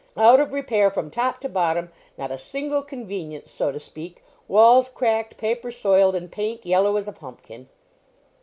Out of repair from top to bottom; not a single convenience, so to speak; walls cracked, paper soiled, and paint yellow as a pumpkin."